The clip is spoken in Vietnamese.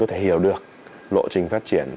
có thể hiểu được lộ trình phát triển